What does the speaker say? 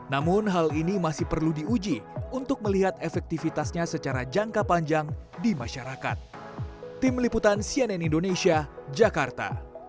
namun hal ini masih perlu diuji untuk melihat efektivitasnya secara jangka panjang di masyarakat